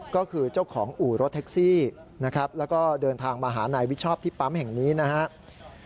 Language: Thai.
ก็คือเจ้าของอู่รถแท็กซี่นะครับแล้วก็เดินทางมาหานายวิชอบที่ปั๊มแห่งนี้นะครับ